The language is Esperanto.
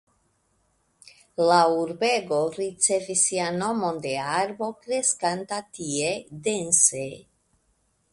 La urbego ricevis sian nomon de arbo kreskanta tie dense.